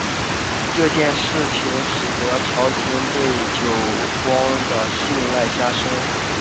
这件事情使得朝廷对久光的信赖加深。